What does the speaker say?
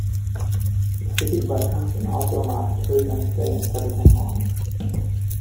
The city welcomes an outdoor market every Wednesday and Saturday morning.